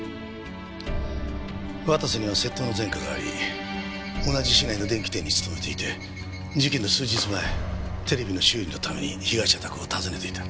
綿瀬には窃盗の前科があり同じ市内の電器店に勤めていて事件の数日前テレビの修理のために被害者宅を訪ねていた。